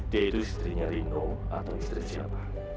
dia itu istrinya rino atau istri siapa